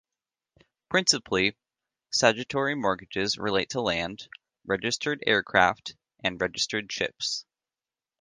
Principally, statutory mortgages relate to land, registered aircraft and registered ships.